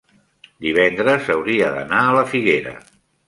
divendres hauria d'anar a la Figuera.